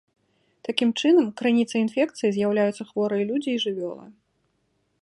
Такім чынам, крыніцай інфекцыі з'яўляюцца хворыя людзі і жывёлы.